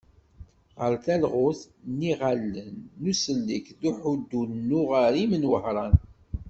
Ɣef talɣut n yiɣallen n usellek d uḥuddu n uɣarim n Wehran.